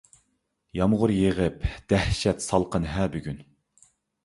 يامغۇر يېغىپ دەھشەت سالقىن-ھە بۈگۈن.